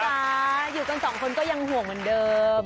อยู่กันสองคนก็ยังห่วงเหมือนเดิม